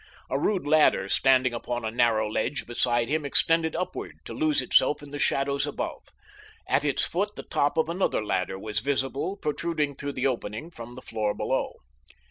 A rude ladder standing upon a narrow ledge beside him extended upward to lose itself in the shadows above. At its foot the top of another ladder was visible protruding through the opening from the floor beneath.